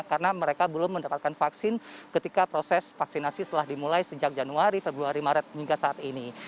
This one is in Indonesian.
karena mereka belum mendapatkan vaksin ketika proses vaksinasi telah dimulai sejak januari februari maret hingga saat ini